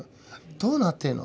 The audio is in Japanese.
どうなってんの？